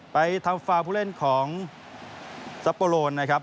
ไปทำฟาวผู้เล่นของซัปโปโลนนะครับ